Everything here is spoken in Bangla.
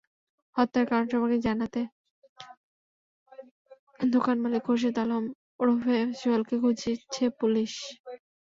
হত্যার কারণ সম্পর্কে জানতে দোকানমালিক খোরশেদ আলম ওরফে সোহেলকে খুঁজছে পুলিশ।